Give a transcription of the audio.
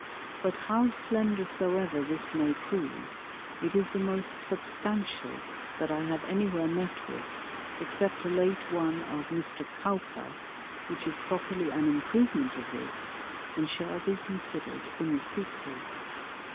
But how slender soever this may prove, it is the most substantial that I have any where met with, except a late one of Mr. Cowper, which is properly an Improvement of this, and shall be consider'd in the Sequel.